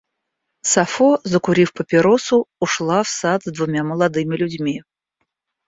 Сафо, закурив папиросу, ушла в сад с двумя молодыми людьми.